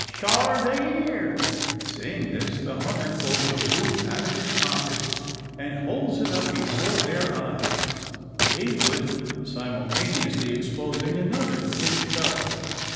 Hyar they air!" Saying this, the hunter pulls a boot out of his pocket, and holds it up before their eyes; Heywood simultaneously exposing another its fellow!